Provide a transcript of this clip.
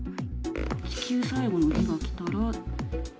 地球最後の日が来たら。